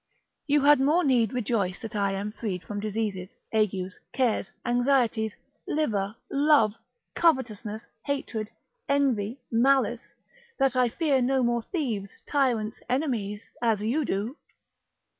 You had more need rejoice that I am freed from diseases, agues, cares, anxieties, livor, love, covetousness, hatred, envy, malice, that I fear no more thieves, tyrants, enemies, as you do.